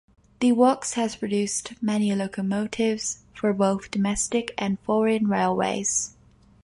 The works has produced many locomotives for both domestic and foreign railways.